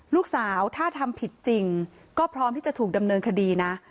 ลูกสาวถ้าทำผิดจริงก็พร้อมที่จะถูกดำเนินคดีนะ